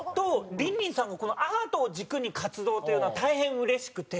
リンリンさんがアートを軸に活動というのは大変うれしくて。